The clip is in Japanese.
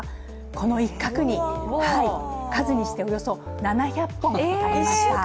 この一画に、数にしておよそ７００本ありました。